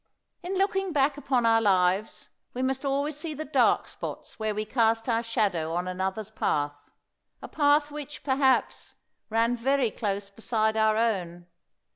In looking back upon our lives, we must always see the dark spots where we cast our shadow on another's path a path which, perhaps, ran very close beside our own.